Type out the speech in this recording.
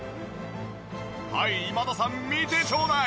はい今田さん見てちょうだい！